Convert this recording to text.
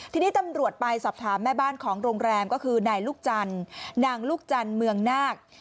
ทีนี้ตำรวจไปสอบถามแม่บ้านของโรงแรมก็คือนายลูกจันทร์นางลูกจันทร์เมืองนาค